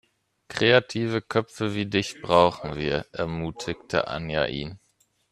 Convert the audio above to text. "Kreative Köpfe wie dich brauchen wir", ermutigte Anja ihn.